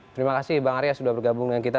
terima kasih bang arya sudah bergabung dengan kita